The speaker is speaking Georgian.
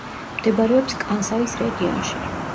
მდებარეობს კანსაის რეგიონში.